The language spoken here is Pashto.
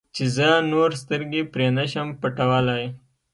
چې زه نور سترګې پرې نه شم پټولی.